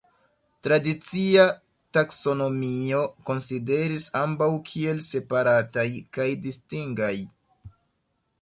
Tradicia taksonomio konsideris ambaŭ kiel separataj kaj distingaj.